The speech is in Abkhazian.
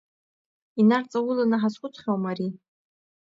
Инарҵауланы ҳазхәыцхьоума ари?